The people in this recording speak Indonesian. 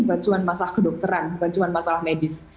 bukan cuma masalah kedokteran bukan cuma masalah medis